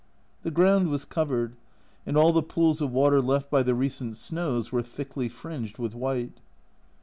The ground was covered, and all the pools of water left by the recent snows were thickly fringed with white.